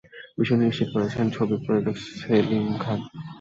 বিষয়টি নিশ্চিত করেছেন ছবির প্রযোজক সেলিম খান।